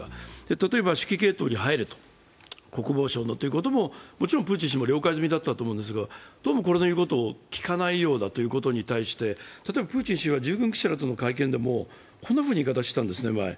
例えば指揮系統に入れと、国防省のということももちろんプーチン氏も了解済みだったと思いますが、どうもこれの言うことを聞かないようだということに対して例えばプーチン氏は従軍記者らとの会見でも前に、こんなふうな言い方をしていたんですね。